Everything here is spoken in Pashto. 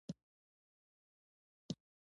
په یو ګل نه پسرلې کیږي.